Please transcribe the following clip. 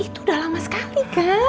itu udah lama sekali